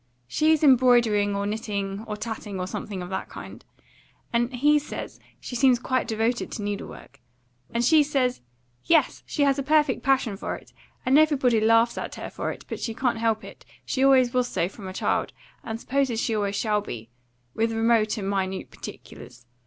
She's embroidering, or knitting, or tatting, or something of that kind; and he says she seems quite devoted to needlework, and she says, yes, she has a perfect passion for it, and everybody laughs at her for it; but she can't help it, she always was so from a child, and supposes she always shall be, with remote and minute particulars.